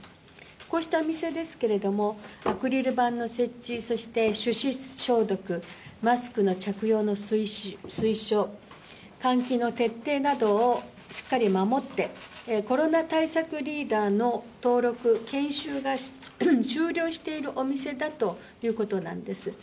こうしたお店ですけれども、アクリル板の設置、そして手指消毒、マスクの着用の推奨、換気の徹底などをしっかり守って、コロナ対策リーダーの登録、研修が終了しているお店だということなんです。